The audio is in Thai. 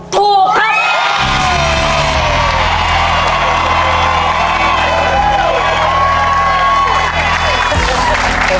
ถูกครับ